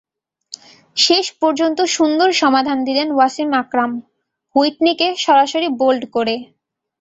শেষ পর্যন্ত সুন্দর সমাধান দিলেন ওয়াসিম আকরাম, হুইটনিকে সরাসরি বোল্ড করে।